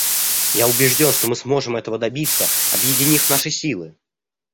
Я убежден, что мы сможем этого добиться, объединив наши силы.